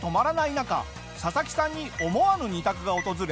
中ササキさんに思わぬ２択が訪れ